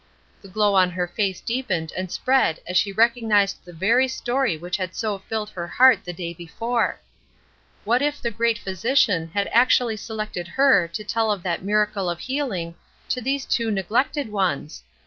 The glow on her face deepened and spread as she recognized the very story which had so filled her heart the day before! What if the great Physician had actually selected her to tell of that miracle of healing to these two neglected ones!